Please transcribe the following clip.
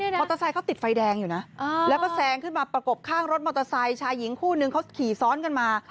มอเตอร์ไซค์ติดไฟแดงอยู่นะแล้วก็แซงขึ้นมาประกบข้างรถมอเตอร์ไซค์ชายหญิงคู่นึงเขาขี่ซ้อนกันมา